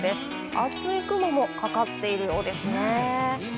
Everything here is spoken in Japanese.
厚い雲もかかっているようですね。